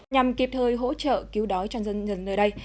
nhằm kịp thời hỗ trợ cứu đói cho dân dần nơi đây